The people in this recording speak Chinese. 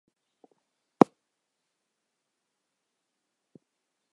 李仁颜就是西夏太祖李继迁的曾祖父。